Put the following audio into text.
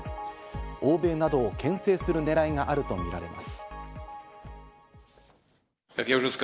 欧米などをけん制するねらいがあるとみられます。